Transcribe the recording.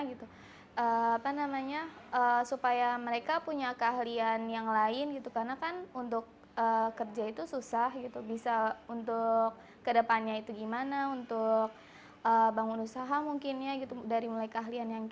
iya cuma seminggu senin sampai kamis aja